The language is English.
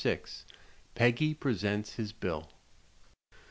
PEGGY PRESENTS HIS BILL.